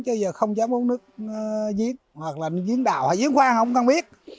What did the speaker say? chứ giờ không dám uống nước diễn hoặc là diễn đào hoặc diễn khoan không cần biết